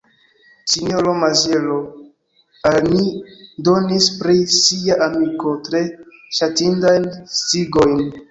Sinjoro Maziero al ni donis pri sia amiko tre ŝatindajn sciigojn.